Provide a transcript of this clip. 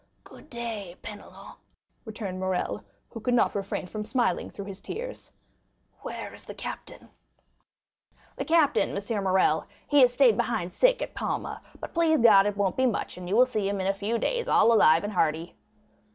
"Good day, Penelon," returned Morrel, who could not refrain from smiling through his tears, "where is the captain?" "The captain, M. Morrel,—he has stayed behind sick at Palma; but please God, it won't be much, and you will see him in a few days all alive and hearty."